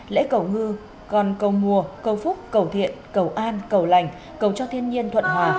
lễ cầu ngư con cầu mùa cầu phúc cầu thiện cầu an cầu lành cầu cho thiên nhiên thuận hòa